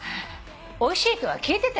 おいしいとは聞いてたよ。